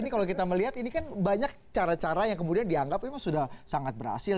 ini kalau kita melihat ini kan banyak cara cara yang kemudian dianggap memang sudah sangat berhasil